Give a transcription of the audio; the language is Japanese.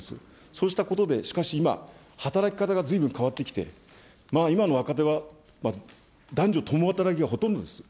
そうしたことで、しかし今、働き方がずいぶん変わってきて、今の若手は、男女共働きがほとんどです。